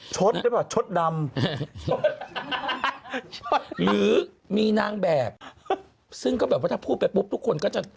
หรือเปล่าชดดำหรือมีนางแบบซึ่งก็แบบว่าถ้าพูดไปปุ๊บทุกคนก็จะ